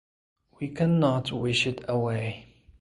We cannot wish it away.